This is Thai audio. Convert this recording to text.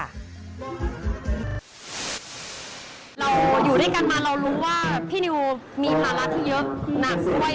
เราอยู่ด้วยกันมาเรารู้ว่าพี่นิวมีภาระที่เยอะหนักด้วย